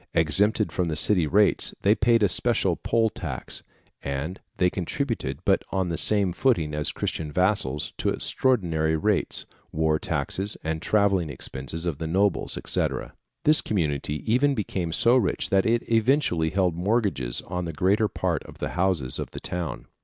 Exempted from the city rates, they paid a special poil tax, and they contributed, but on the same footing as Christian vassals, to extraordinary rates, war taxes, and travelling expenses of the nobles, &c. This community even became so rich that it eventually held mortgages on the greater part of the houses of the town.